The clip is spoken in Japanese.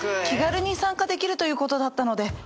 気軽に参加できるということだったので。